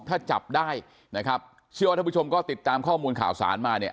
ถ้าจับได้นะครับเชื่อว่าท่านผู้ชมก็ติดตามข้อมูลข่าวสารมาเนี่ย